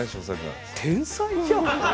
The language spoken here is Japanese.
天才じゃん！